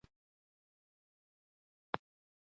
موږ ټول سولې ته اړتیا لرو.